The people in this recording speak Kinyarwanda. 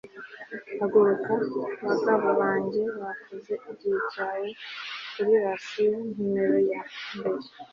Haguruka bagabo banjye bakoze igihe cyawe kuri ration Numero ya mbere